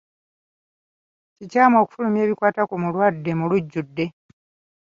Kikyamu okufulumya ebikwata ku mulwadde mu lujjudde.